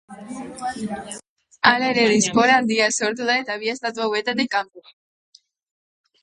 Hala ere, diaspora handia sortu da bi estatu hauetatik kanpo.